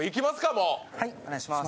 もうはいお願いします